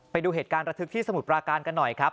ไปดูเหตุการณ์ระทึกที่สมุทรปราการกันหน่อยครับ